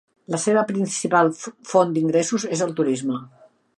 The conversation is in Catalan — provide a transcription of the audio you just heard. La seva principal font d'ingressos és el turisme.